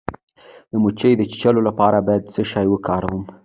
د مچۍ د چیچلو لپاره باید څه شی وکاروم؟